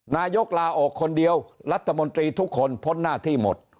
นายกลาออกคนเดียวรัฐมนตรีทุกคนพ้นหน้าที่หมด